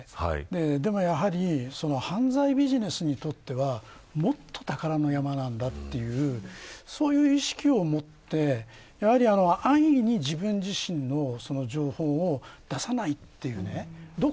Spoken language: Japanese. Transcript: でもやはり犯罪ビジネスにとってはもっと宝の山なんだというそういう意識を持ってやはり安易に自分自身の情報を出さないというね。